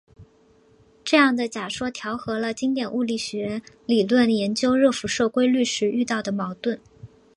这样的假说调和了经典物理学理论研究热辐射规律时遇到的矛盾。